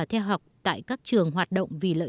theo học tại các trường hoạt động vì lợi